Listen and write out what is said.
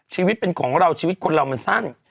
ชีวิตเป็นของเราชีวิตคนเรามันสั้น